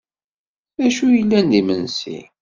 D acu yellan d imensi?